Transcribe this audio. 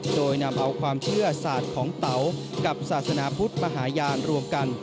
โดยนำเอาความเชื่อศาสตร์ของเต๋ากับศาสนาพุทธมหาญาณรวมกัน